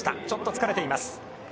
ちょっと疲れています。